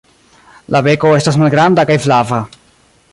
La beko estas malgranda kaj flava.